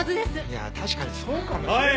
いや確かにそうかもしれない。